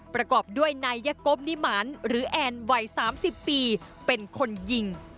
ประกอบด้วยนายกบนิมานหรือแอนวัย๓๐ปีเป็นคนยิง